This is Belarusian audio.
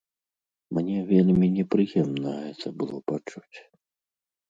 Мне вельмі непрыемна гэта было пачуць.